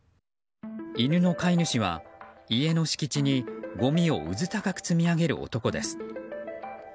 犬の飼い主は家の敷地にごみをうず高く積み上げる男です。